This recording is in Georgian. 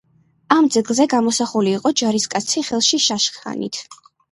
ამ ძეგლზე გამოსახული იყო ჯარისკაცი ხელში შაშხანით.